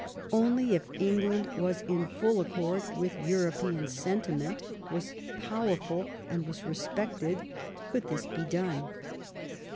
Only if England was in full accord with European sentiment, was poweriul, and was respected, could this be done.